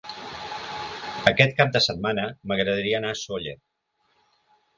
Aquest cap de setmana m'agradaria anar a Sóller.